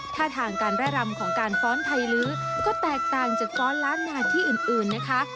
ท่าทางการแร่รำของการฟ้อนไทยลื้อก็แตกต่างจากฟ้อนล้านนาที่อื่นนะคะ